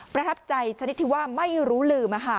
ประทับใจชนิดที่ว่าไม่รู้ลืม